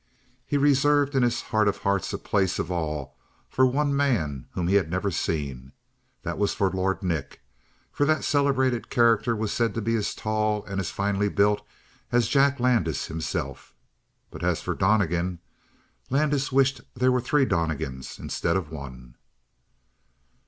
He reserved in his heart of hearts a place of awe for one man whom he had never seen. That was for Lord Nick, for that celebrated character was said to be as tall and as finely built as Jack Landis himself. But as for Donnegan Landis wished there were three Donnegans instead of one.